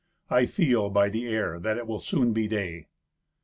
I feel, by the air, that it will soon be day."